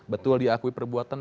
betul diakui perbuatan